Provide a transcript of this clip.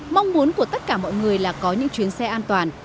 mong muốn của tất cả mọi người là có những chuyến xe an toàn